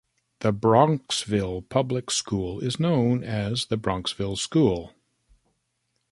The Bronxville Public School is known as The Bronxville School.